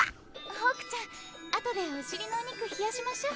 ホークちゃんあとでお尻のお肉冷やしましょう。